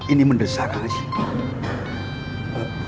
ini mendesak kang haji